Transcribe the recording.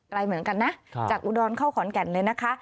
ไกลเหมือนกันนะจากอุดอลธานีเข้าขอนแก่นเลยนะคะ